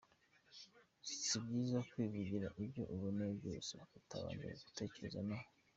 Si byiza kwivugira ibyo ubonye byose, utabanje gutekereza ho.